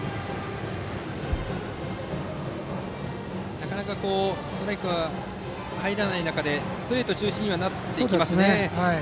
なかなかストライクが入らない中でストレート中心になりますね。